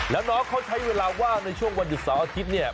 แล้วน้องเขาใช้เวลาว่างในช่วงวันหยุดเสาร์อาทิตย์เนี่ย